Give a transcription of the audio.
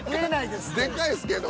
デカいですけど。